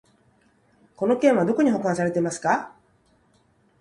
この件はどこに保管されてますか？